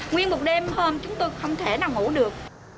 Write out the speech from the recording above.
nguyên một đêm hôm chúng tôi không thể nào ngủ được